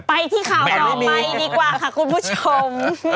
ไปที่ข่าวต่อไปดีกว่าค่ะคุณผู้ชม